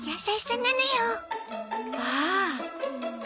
ああ！